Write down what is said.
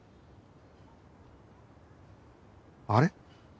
あれ？